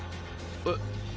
えっ。